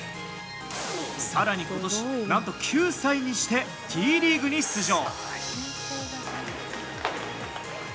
更に今年、何と９歳にしてＴリーグに出場。